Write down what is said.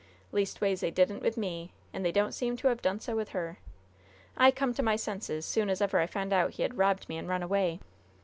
Leastways they didn't with me, and they don't seem to have done so with her. I come to my senses soon's ever I found out as he had robbed me and run away.